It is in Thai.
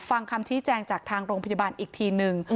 ฟังคำชี้แจงจากทางโรงพยาบาลอีกทีนึง